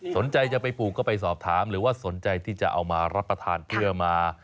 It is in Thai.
สนใจจะไปปลูกก็ไปสอบถามหรือว่าสนใจที่จะเอามารับประทานเพื่อมา